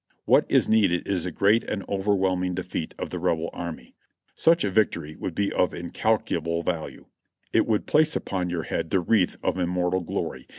"What is needed is a great and overwhelming defeat of the Rebel army. Such a victory would be of incalculable value. It would place upon your head the wreath of immortal glory.